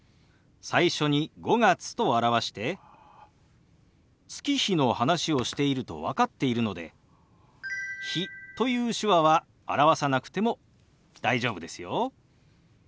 最初に「５月」と表して月日の話をしていると分かっているので「日」という手話は表さなくても大丈夫ですよ。